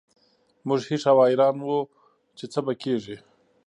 موږ هېښ او حیران وو چې څه به کیږي